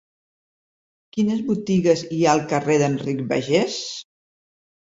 Quines botigues hi ha al carrer d'Enric Bargés?